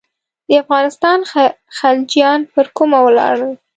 د افغانستان خلجیان پر کومه ولاړل.